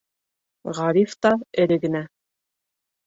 Ғариф та эре генә: